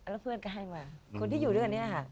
แล้วเพื่อนก็ให้มาคนที่อยู่ด้วยกันเนี่ยค่ะ